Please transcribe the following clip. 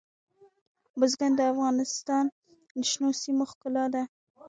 بزګان د افغانستان د شنو سیمو ښکلا ده.